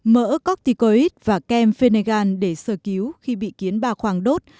mỡ cocticoid và kem phenergan để sơ cứu khi bị kiến ba khoang đốt